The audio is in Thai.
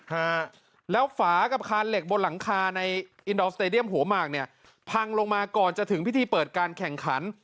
ค่ะแล้วฝากับคานเหล็กบนหลังคาในหัวมากเนี่ยพังลงมาก่อนจะถึงพิธีเปิดการแข่งขัน